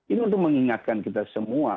ini untuk mengingatkan kita semua